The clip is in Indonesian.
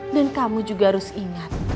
dan kamu juga harus ingat